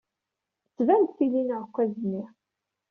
Tettban-d tili n uɛekkaz-nni.